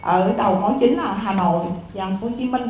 ở đầu mối chính là hà nội và hồ chí minh